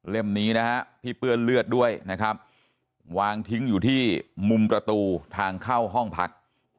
นี้นะฮะที่เปื้อนเลือดด้วยนะครับวางทิ้งอยู่ที่มุมประตูทางเข้าห้องพัก